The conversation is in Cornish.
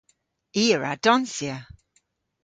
I a wra donsya.